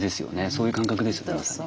そういう感覚ですよねまさに。